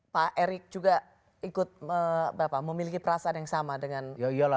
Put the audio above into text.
pak erick juga ikut memiliki perasaan yang sama dengan